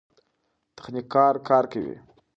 تخنیکران کار کوي.